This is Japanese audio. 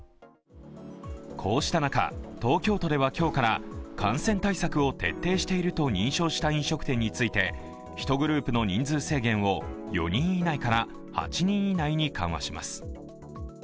こうした中、東京都では今日から感染対策を徹底していると認証した飲食店について、１グループの人数制限を４人以内から８人以内に緩和します。